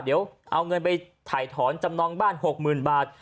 เดี๋ยวเอาเงินไปถ่ายถอนจำนองบ้าน๖๐๐๐บาท